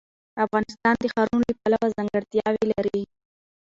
افغانستان د ښارونو له پلوه ځانګړتیاوې لري.